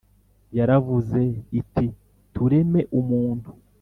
yaravuze iti: "tureme umuntu"